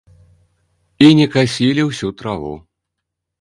І не касілі ўсю траву.